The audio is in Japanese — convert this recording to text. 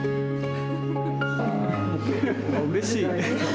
うれしい。